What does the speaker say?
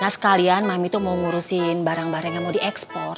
nah sekalian mami itu mau ngurusin barang barang yang mau diekspor